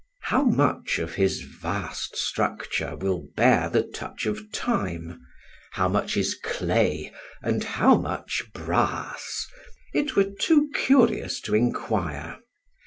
How much of his vast structure will bear the touch of time, how much is clay and how much brass, it were too curious to inquire.